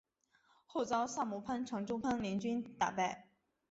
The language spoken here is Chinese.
后遭萨摩藩长州藩联军打败。